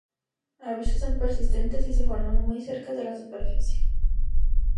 A veces son persistentes y se forman muy cerca de la superficie.